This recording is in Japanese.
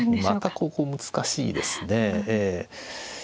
またここ難しいですねええ。